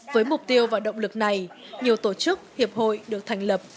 với mục tiêu và động lực này nhiều tổ chức hiệp hội được thành lập